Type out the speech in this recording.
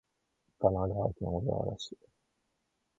神奈川県小田原市